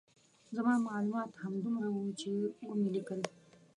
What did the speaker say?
زما معلومات همدومره وو چې ومې لیکل.